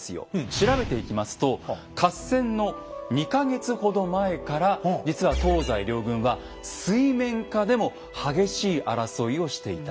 調べていきますと合戦の２か月ほど前から実は東西両軍は水面下でも激しい争いをしていた。